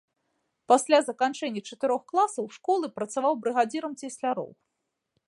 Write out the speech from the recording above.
Пасля заканчэння чатырох класаў школы працаваў брыгадзірам цесляроў.